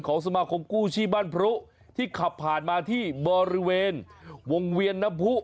สมาคมกู้ชีพบ้านพรุที่ขับผ่านมาที่บริเวณวงเวียนน้ำผู้